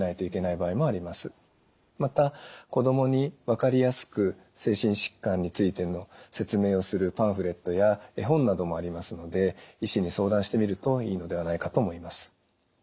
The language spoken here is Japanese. また子どもに分かりやすく精神疾患についての説明をするパンフレットや絵本などもありますので医師に相談してみるといいのではないかと思います。